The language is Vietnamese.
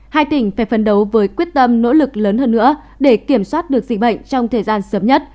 hai tỉnh phải phấn đấu với quyết tâm nỗ lực lớn hơn nữa để kiểm soát được dịch bệnh trong thời gian sớm nhất